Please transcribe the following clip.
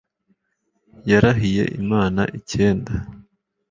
Yarahiye imana icyenda